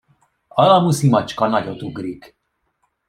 Alamuszi macska nagyot ugrik.